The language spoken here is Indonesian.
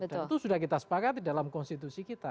dan itu sudah kita sepakat di dalam konstitusi kita